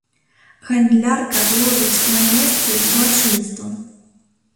Гандлярка ловіць на месцы злачынства.